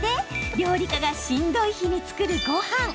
料理家がしんどい日に作るごはん。